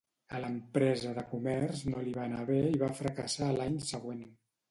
A l'empresa de comerç no li va anar bé i va fracassar a l'any següent.